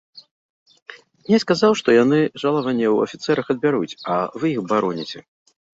Князь казаў, што яны жалаванне ў афіцэраў адбяруць, а вы іх бароніце.